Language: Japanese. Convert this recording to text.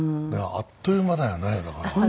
あっという間だよねだから。